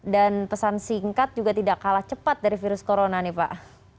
dan pesan singkat juga tidak kalah cepat dari virus corona nih pak